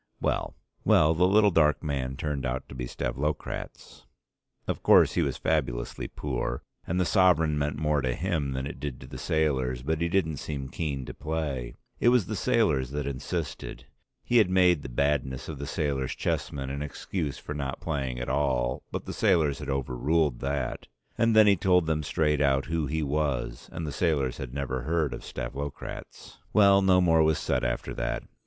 Well, the little dark man turned out to be Stavlokratz. Of course he was fabulously poor, and the sovereign meant more to him than it did to the sailors, but he didn't seem keen to play, it was the sailors that insisted; he had made the badness of the sailors' chessmen an excuse for not playing at all, but the sailors had overruled that, and then he told them straight out who he was, and the sailors had never heard of Stavlokratz. Well, no more was said after that.